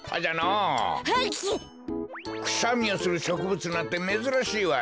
くしゃみをするしょくぶつなんてめずらしいわい。